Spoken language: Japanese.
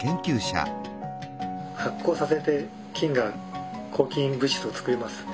発酵させて菌が抗菌物質を作ります。